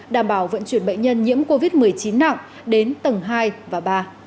đảm bảo vận chuyển bệnh nhân nhiễm covid một mươi chín nặng đến tầng hai và ba